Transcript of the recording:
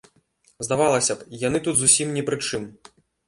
Здавалася б, яны тут зусім не пры чым.